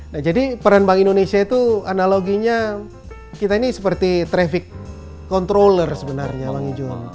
nah jadi peran bank indonesia itu analoginya kita ini seperti traffic controller sebenarnya bang ijon